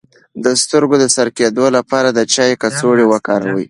د سترګو د سره کیدو لپاره د چای کڅوړه وکاروئ